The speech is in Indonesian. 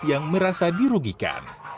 yang merasa dirugikan